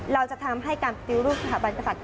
เราจะทำให้การปฏิรูปสถาบันกษัตริย